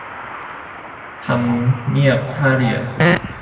ทำเนียบท่าเรือ